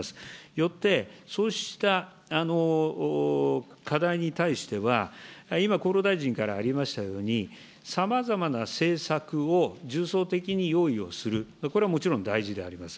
よって、そうした課題に対しては、今、厚労大臣からありましたように、さまざまな政策を重層的に用意をする、これはもちろん大事であります。